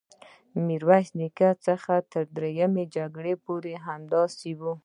د میرویس نیکه څخه تر دریم جنګ پورې همداسې وه.